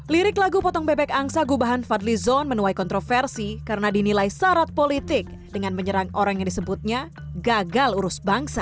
lirik lagu potong bebek angsa gubahan fadli zon menuai kontroversi karena dinilai syarat politik dengan menyerang orang yang disebutnya gagal urus bangsa